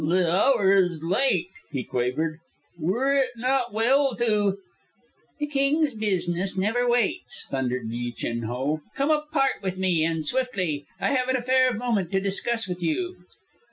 "The hour is late," he quavered. "Were it not well to " "The King's business never waits!" thundered Yi Chin Ho. "Come apart with me, and swiftly. I have an affair of moment to discuss with you.